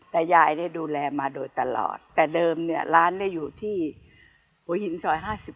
แต่ยายได้ดูแลมาโดยตลอดแต่เดิมร้านอยู่หัวหินสอย๕๑